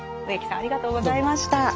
植木さんありがとうございました。